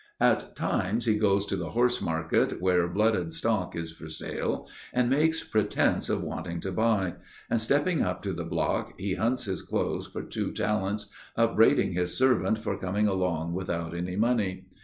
At times he goes to the horse market where blooded stock is for sale, and makes pretence of wanting to buy; and stepping up to the block, he hunts his clothes for two talents, upbraiding his servant for coming along without any money.